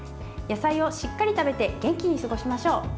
野菜をしっかり食べて元気に過ごしましょう。